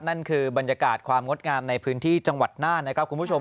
นั่นคือบรรยากาศความงดงามในพื้นที่จังหวัดน่านนะครับคุณผู้ชม